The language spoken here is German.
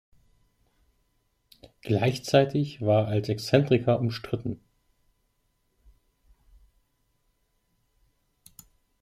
Gleichzeitig war er als Exzentriker umstritten.